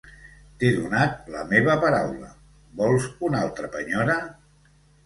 T'he donat la meva paraula: vols una altra penyora?